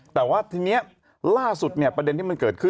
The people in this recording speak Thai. แต่ว่าทีนี้ล่าสุดประเด็นที่มันเกิดขึ้น